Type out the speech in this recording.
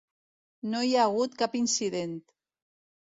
No hi ha hagut cap incident.